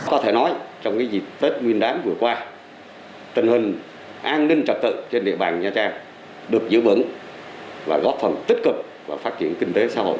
có thể nói trong cái dịp tết nguyên đám vừa qua tình hình an ninh trật tự trên địa bàn nha trang được giữ vững và góp phần tích cực vào phát triển kinh tế xã hội tại địa phương